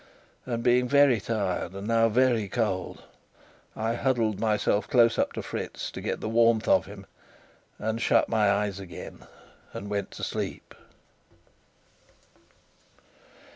And being very tired, and now very cold, I huddled myself close up to Fritz, to get the warmth of him, and shut my eyes again and went to sleep.